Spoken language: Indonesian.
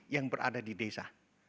yang berada di desa